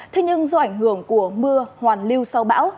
thế nhưng do ảnh hưởng của mưa hoàn lưu sau bão